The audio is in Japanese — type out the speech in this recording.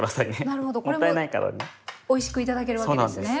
なるほどこれもおいしく頂けるわけですね。